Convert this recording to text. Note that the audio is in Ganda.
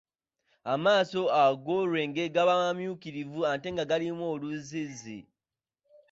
Amaaso ag'olwenge gaba mamyukirivu ate nga galimu oluzzizzi.